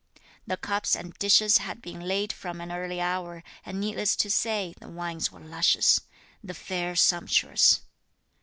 The cups and dishes had been laid from an early hour, and needless to say the wines were luscious; the fare sumptuous.